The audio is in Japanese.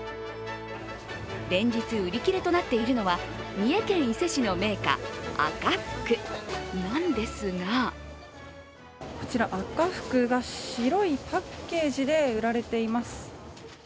連日売り切れとなっているのは三重県伊勢市の銘菓赤福なんですがこちら赤福が白いパッケージで売られています。